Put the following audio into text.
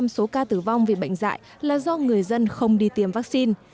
chín mươi số ca tử vong vì bệnh dại là do người dân không đi tiêm vắc xin